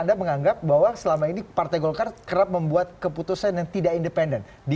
anda menganggap bahwa selama ini partai golkar kerap membuat keputusan yang tidak independen